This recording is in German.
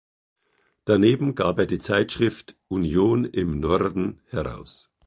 Daneben gab er die Zeitschrift "Union im Norden" heraus.